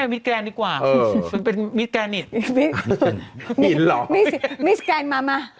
ไม่กว่าเดิม